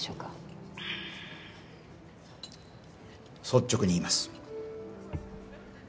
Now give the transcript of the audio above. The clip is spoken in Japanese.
率直に言います。